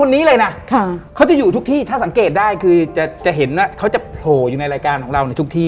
นี่เขาเลยนะนี่ฮะ